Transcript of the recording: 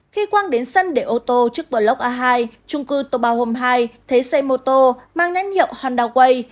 khi quang đến sân để ô tô trước bộ lốc a hai trung cư tô ba hôm hai thế xe mô tô mang nét hiệu honda way